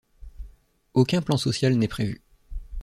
Aucun plan social n'est prévu.